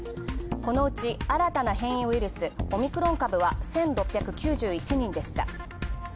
このうち、新たな変異ウイルスオミクロン株は１６９１人でした。